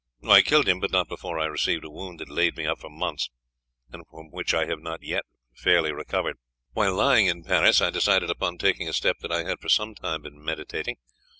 I killed him, but not before I received a wound that laid me up for months, and from which I have not yet fairly recovered. While lying in Paris I decided upon taking a step that I had for some time been meditating.